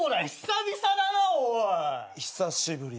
久しぶり。